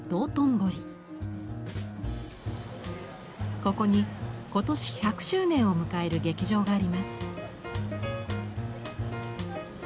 ここに今年１００周年を迎える劇場があります。